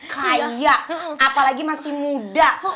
kaya apalagi masih muda